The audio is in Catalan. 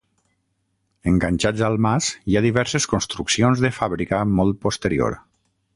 Enganxats al mas hi ha diverses construccions de fàbrica molt posterior.